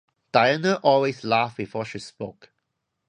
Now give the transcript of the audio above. Diana always laughed before she spoke.